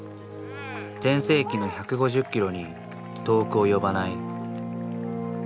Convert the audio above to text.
全盛期の１５０キロに遠く及ばない。